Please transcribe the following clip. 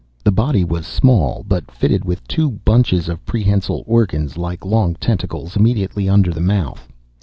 The body was small, but fitted with two bunches of prehensile organs, like long tentacles, immediately under the mouth.